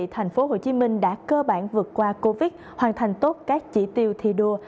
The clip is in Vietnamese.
thành phố hồ chí minh đã cơ bản vượt qua covid hoàn thành tốt các chỉ tiêu thi đua